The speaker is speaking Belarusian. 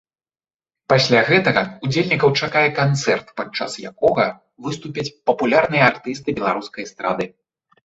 Пасля гэтага ўдзельнікаў чакае канцэрт, падчас якога выступяць папулярныя артысты беларускай эстрады.